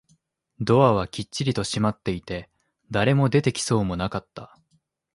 ドアはきっちりと閉まっていて、誰も出てきそうもなかった